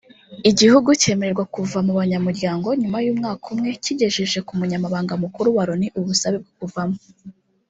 Igihugu cyemererwa kuva mu banyamuryango nyuma y’umwaka umwe kigejeje ku Munyamabanga Mukuru wa Loni ubusabe bwo kuvamo